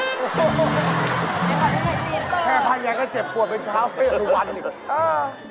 แค่ภายใยก็เจ็บปวดไปเช้าเฟศุวรรค์อีก